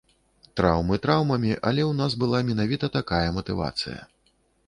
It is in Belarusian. Траўмы траўмамі, але ў нас была менавіта такая матывацыя.